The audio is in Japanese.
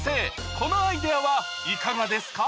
このアイデアはいかがですか？